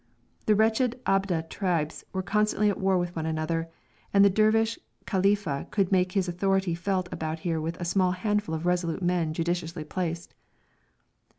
The wretched Ababdeh tribes were constantly at war with one another, and the Dervish Khalifa could make his authority felt about here with a small handful of resolute men judiciously placed.